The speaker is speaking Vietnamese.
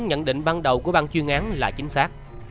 nhưng amazing văn bản từ bắt đầu của ban chuyên án là chính xác